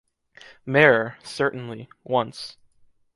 Maire, certainly, once...